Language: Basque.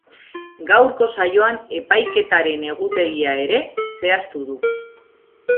Gaurko saioan epaiketaren egutegia ere zehaztu du.